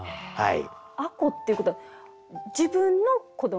吾子っていうことは自分の子ども？